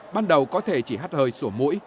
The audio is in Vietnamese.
ban đầu có thể chỉ hát hơi sổ mũi